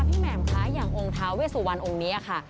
ค่ะพี่แหม่มค่ะอย่างองค์ทาเวสวรรค์องค์นี้ค่ะ